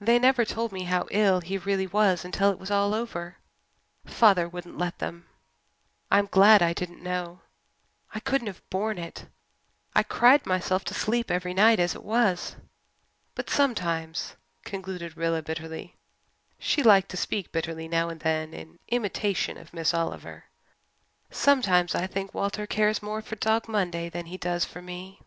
"They never told me how ill he really was until it was all over father wouldn't let them. I'm glad I didn't know I couldn't have borne it. I cried myself to sleep every night as it was. But sometimes," concluded Rilla bitterly she liked to speak bitterly now and then in imitation of Miss Oliver "sometimes I think Walter cares more for Dog Monday than he does for me."